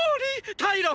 タイロン！